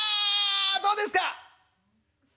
どうですか！？